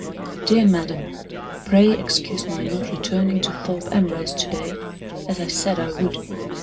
"DEAR MADAM Pray excuse my not returning to Thorpe Ambrose to day, as I said I would.